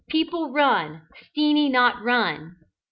People run. Steenie not run."